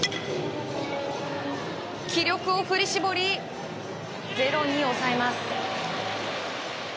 気力を振り絞り、０に抑えます。